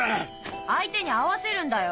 相手に合わせるんだよ。